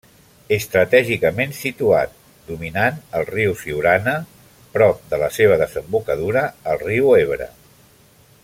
Estratègicament situat dominant el riu Siurana, prop de la seva desembocadura al riu Ebre.